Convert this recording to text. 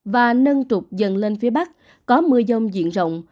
và nâng trục dần lên phía bắc có mưa dông diện rộng